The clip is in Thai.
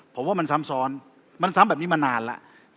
ผมว่ามันซ้ำซ้อนมันซ้ำแบบนี้มานานแล้ว